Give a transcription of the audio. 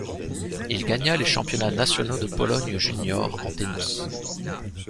Il gagna les championnats nationaux de Pologne junior en tennis.